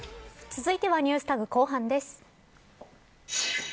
続いてはＮｅｗｓＴａｇ後半です。